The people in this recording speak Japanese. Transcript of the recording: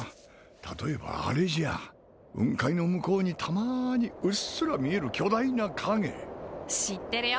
例えばあれじゃ雲海の向こうにたまにうっすら見える巨大な影知ってるよ